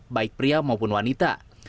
baik pria maupun wanita